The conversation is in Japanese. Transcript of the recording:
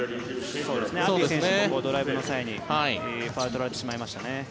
ドライブの際にファウルを取られてしまいましたね。